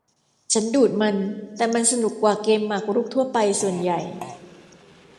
ฉันดูดมัน แต่มันสนุกกว่าเกมหมากรุกทั่วไปส่วนใหญ่